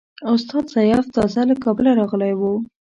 استاد سیاف تازه له کابله راغلی وو.